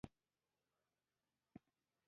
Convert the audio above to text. آیا پولیو ختمه شوې؟